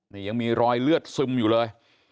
นี่ยังมีรอยเลือดซึมอยู่เลย